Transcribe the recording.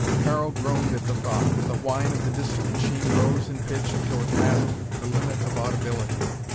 Karl groaned at the thought. The whine of the distant machine rose in pitch until it passed the limit of audibility.